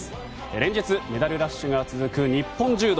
連日メダルラッシュが続く日本柔道。